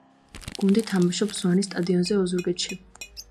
გუნდი თამაშობს ზვანის სტადიონზე, ოზურგეთში.